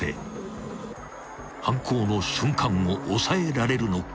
［犯行の瞬間を押さえられるのか？］